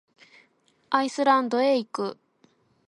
アイスランドへ行く。